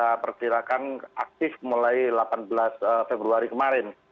kita perkirakan aktif mulai delapan belas februari kemarin